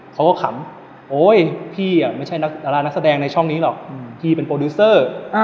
ขำโอ๊ยพี่ไม่ใช่นักดารานักแสดงในช่องนี้หรอกพี่เป็นโปรดิวเซอร์